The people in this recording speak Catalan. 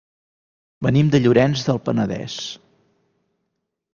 Venim de Llorenç del Penedès.